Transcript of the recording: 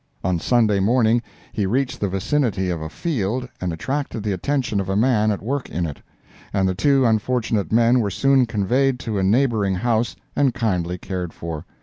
On Sunday morning he reached the vicinity of a field and attracted the attention of a man at work in it, and the two unfortunate men were soon conveyed to a neighboring house, and kindly cared for.